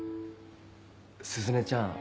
鈴音ちゃん